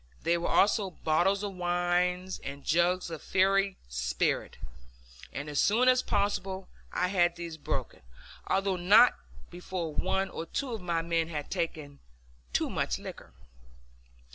There were also bottles of wine, and jugs of fiery spirit, and as soon as possible I had these broken, although not before one or two of my men had taken too much liquor.